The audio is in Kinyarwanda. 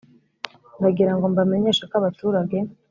Ndagirango ngo mbamenyeshe ko abaturage